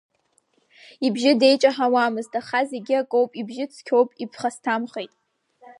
Ибжьы деиҷаҳауамызт, аха зегьы акоуп ибжьы цқьоуп, иԥхасҭамхеит.